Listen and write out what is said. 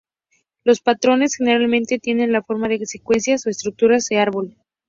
Los patrones generalmente tienen la forma de secuencias o estructuras de árbol.